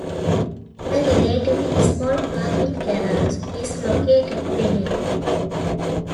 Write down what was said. A relatively small parking garage is located beneath.